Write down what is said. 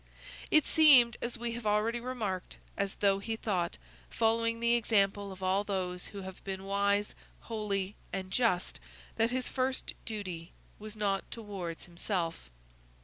It seemed, as we have already remarked, as though he thought, following the example of all those who have been wise, holy, and just, that his first duty was not towards himself.